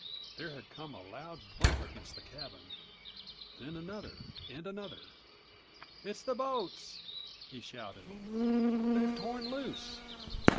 There had come a loud bump against the cabin; then another and another. "It's the boats!" he shouted. "They've torn loose.